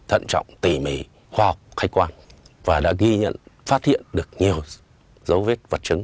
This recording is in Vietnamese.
thận trọng tỉ mỉ khoa học khách quan và đã ghi nhận phát hiện được nhiều dấu vết vật chứng